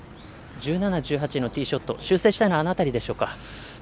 １７、１８のティーショット修正したいのはあの辺りでしょうか。